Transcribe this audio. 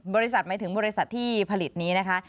บริษัทไม่ถึงบริษัทที่ผลิตนี้นะคะ